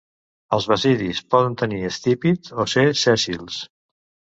Els basidis poden tenir estípit o ser sèssils.